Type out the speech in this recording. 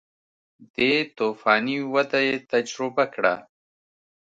دې توفاني وده یې تجربه کړه